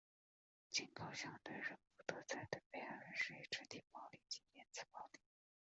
警告相对人不得再对被害人施以肢体暴力及言词暴力。